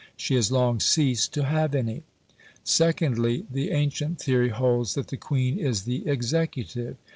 She has long ceased to have any. Secondly, the ancient theory holds that the Queen is the executive.